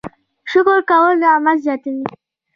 شکر کول نعمت زیاتوي